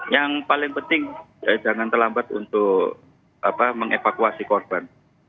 yang paling penting jangan terlambat untuk mengevakuasi korban